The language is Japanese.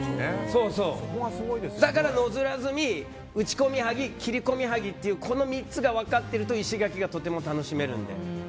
だから野面積み打ち込みはぎ切り込みはぎというこの３つが分かっていると石垣がとても楽しめるので。